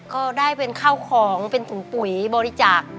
ก็ได้เป็นข้าวของเป็นถุงปุ๋ยบริจาค